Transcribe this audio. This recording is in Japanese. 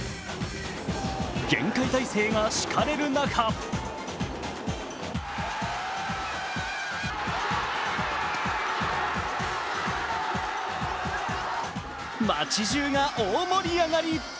厳戒態勢が敷かれる中街中が大盛り上がり。